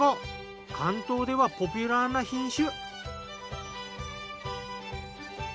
関東ではポピュラーな品種。